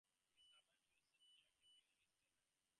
He survived two assassination attempts during his tenure.